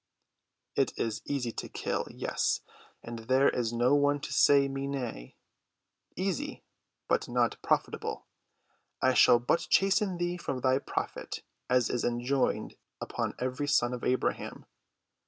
"It is easy to kill—yes, and there is no one to say me nay—easy, but not profitable. I shall but chasten thee for thy profit as is enjoined upon every son of Abraham.